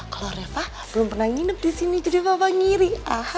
kalau reva belum pernah nginep disini jadi papa ngiri